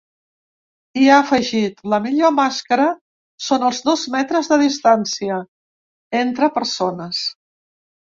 I ha afegit: ‘La millor màscara són els dos metres de distància’ entre persones.